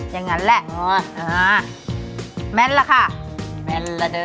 อย่างนั้นแหละอ๋ออ๋อแม่นแล้วค่ะแม่นแล้วเด้อ